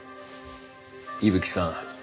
伊吹さん